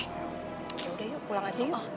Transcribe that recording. yaudah pulang aja yuk